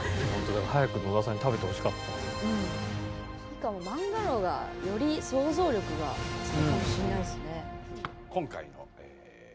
しかも漫画の方がより想像力がつくかもしんないですね。